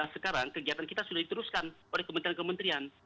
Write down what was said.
dua ribu enam belas sekarang kegiatan kita sudah diteruskan oleh kementerian kementerian